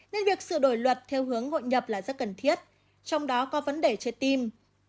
nên việc sửa đổi luật theo hướng hội nhập là rất cần thiết trong đó có vấn đề chết tim